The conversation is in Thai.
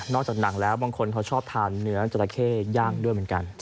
จากหนังแล้วบางคนเขาชอบทานเนื้อจราเข้ย่างด้วยเหมือนกัน